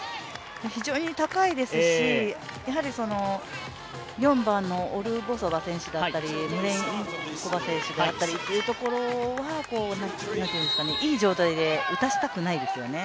非常に高いですし４番のオルボソバ選手だったり、ムレインコバ選手であったりというところ、いい状態で打たせたくないですよね。